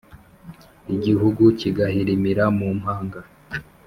igihugu kigahirimira mu manga